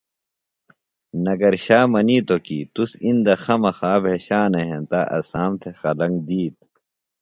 نگرشا منِیتوۡ کیۡ تُس اِندہ خمخا بھیشانہ ہینتہ اسام تھےۡ قلنگ دِیت